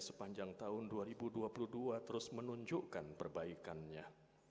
sepanjang tahun dua ribu dua puluh dua terus menunjukkan perbaikannya